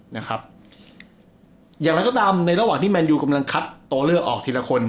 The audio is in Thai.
นะครับอย่างไรก็ตามในระหว่างที่แมนยูกำลังคัดตัวเลือกออกทีละคน